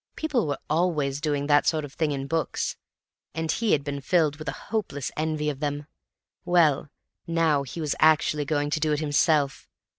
People were always doing that sort of thing in books, and he had been filled with a hopeless envy of them; well, now he was actually going to do it himself.